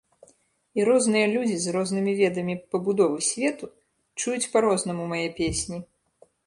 І розныя людзі з рознымі ведамі пабудовы свету чуюць па-рознаму мае песні.